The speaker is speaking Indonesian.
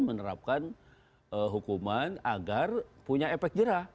menerapkan hukuman agar punya efek jerah